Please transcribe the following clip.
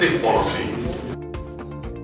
dan juga polisi yang berhubungan